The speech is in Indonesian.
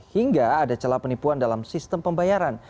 hingga ada celah penipuan dalam sistem pembayaran